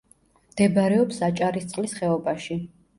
მდებარეობს აჭარისწყლის ხეობაში.